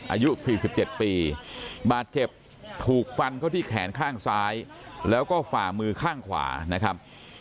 อายุ๔๗ปีบาดเจ็บถูกฟันเข้าที่แขนข้างซ้ายแล้วก็ฝ่ามือข้างขวานะครับ